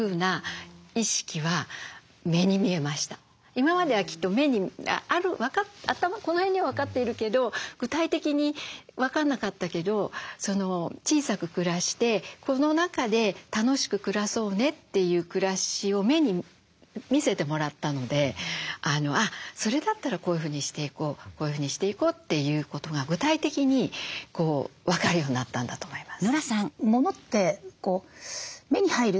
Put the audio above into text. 今まではきっとこの辺には分かっているけど具体的に分かんなかったけど小さく暮らしてこの中で楽しく暮らそうねという暮らしを目に見せてもらったのであっそれだったらこういうふうにしていこうこういうふうにしていこうということが具体的に分かるようになったんだと思います。